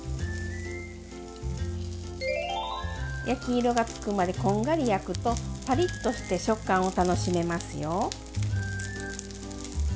焼き色がつくまでこんがり焼くとパリッとして食感を楽しめますよ。